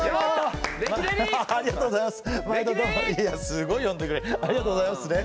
すごい呼んでくれるありがとうございますね。